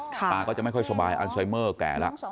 ตาก็จะไม่ค่อยสบายอันไซเมอร์แก่แล้ว